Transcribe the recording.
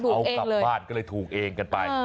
เอากลับบ้านก็เลยถูกเองกันไป